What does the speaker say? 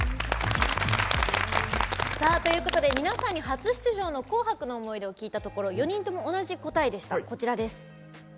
皆さんに初出場の「紅白」の思い出を聞いたところ４人とも同じ答えでした。